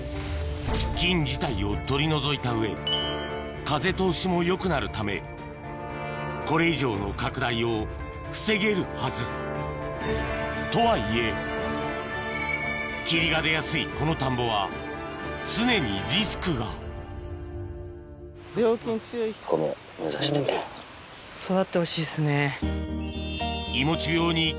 菌自体を取り除いた上風通しもよくなるためこれ以上の拡大を防げるはずとはいえ霧が出やすいこの田んぼは常にリスクがするため向かった先はうわ。